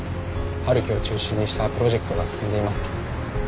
陽樹を中心にしたプロジェクトが進んでいます。